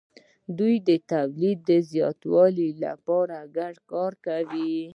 دوی د تولید د زیاتوالي لپاره ګډ کار کوي.